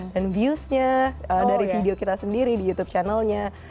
dan viewsnya dari video kita sendiri di youtube channelnya